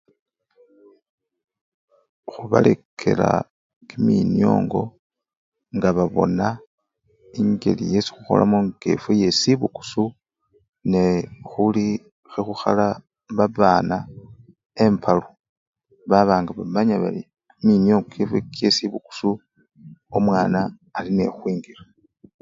Khubalekela kiminyongo nga babona engeli yesi khukholamo ngefwe yesibukusu nee khuli khekhukhala babana embalu baba nga bamanya bari kiminyongo kyefwe kyesibukusu, omwana ari ne huhwingila